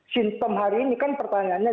simptom hari ini kan pertanyaannya